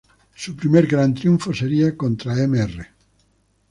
Su primer gran triunfo sería contra Mr.